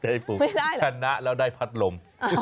เป็นเจ๊ปูไม่ได้เหรอชนะแล้วได้พัดลม